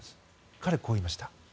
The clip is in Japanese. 彼は、こう言いました。